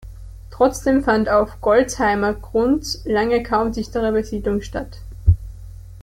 Trotzdem fand auf Golzheimer Grund lange kaum dichtere Besiedlung statt.